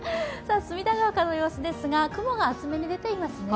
隅田川からの様子ですが雲が厚めに出ていますね。